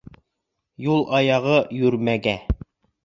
Юл аяғы йүрмәгә.